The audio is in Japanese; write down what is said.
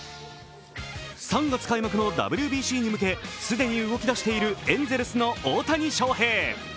３月開幕のＷＢＣに向け、既に動き出しているエンゼルスの大谷翔平。